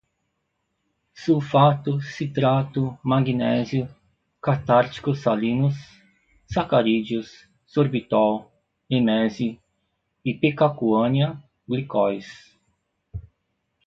sulfato, citrato, magnésio, catárticos salinos, sacarídeos, sorbitol, emese, ipecacuanha, glicóis